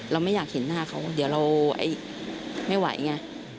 เราไม่อยากเห็นหน้าเขาเดี๋ยวเราไม่ไหวไง